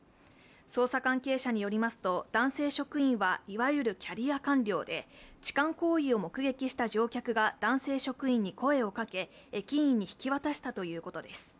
捜査関係者によりますと男性職員はいわゆるキャリア官僚で、痴漢行為を目撃した乗客が男性職員に声をかけ駅員に引き渡したということです。